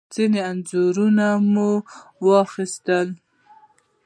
ځینې انځورونه مو واخیستل.